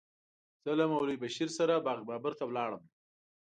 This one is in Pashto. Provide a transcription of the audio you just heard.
زه له مولوي بشیر سره باغ بابر ته ولاړم.